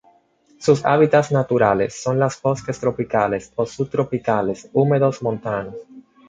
Sus hábitats naturales son las bosques tropicales o subtropicales húmedos montanos.